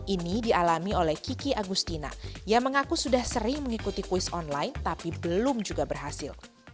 ini dialami oleh kiki agustina yang mengaku sudah sering mengikuti kuis online tapi belum juga berhasil